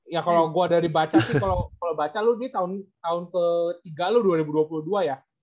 ya kalau gue dari baca sih kalau baca lo ini tahun ketiga lo dua ribu dua puluh dua ya